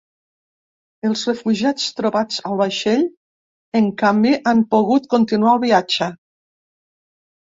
Els refugiats trobats al vaixell, en canvi, han pogut continuar el viatge.